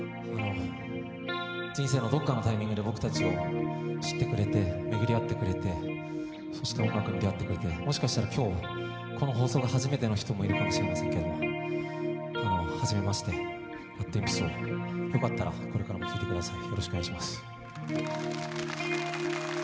人生のどこかのタイミングで僕たちを知ってくれて巡り会ってくれて、そして音楽に出会ってくれてもしかしたら今日、この放送が初めての人もいるかもしれませんけれどもはじめまして、ＲＡＤＷＩＭＰＳをよかったらこれからも聴いてください、よろしくお願いします。